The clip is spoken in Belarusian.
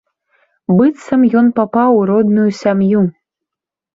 Быццам ён папаў у родную сям'ю.